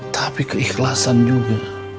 tapi keikhlasan juga